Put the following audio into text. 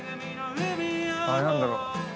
あれ何だろう。